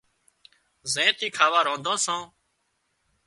زين ٿِي کاوا رانڌان سان